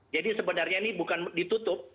sebenarnya ini bukan ditutup